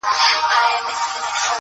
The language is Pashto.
بگوت گيتا د هندوانو مذهبي کتاب!